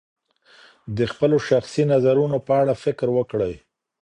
د خپلو شخصي نظرونو په اړه فکر وکړئ.